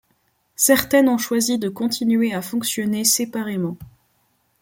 Certaines ont choisi de continuer à fonctionner séparément.